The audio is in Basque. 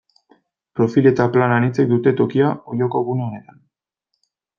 Profil eta plan anitzek dute tokia Olloko gune honetan.